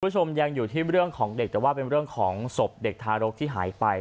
คุณผู้ชมยังอยู่ที่เรื่องของเด็กแต่ว่าเป็นเรื่องของศพเด็กทารกที่หายไป